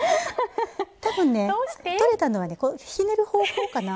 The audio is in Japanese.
取れたのはねひねる方向かな。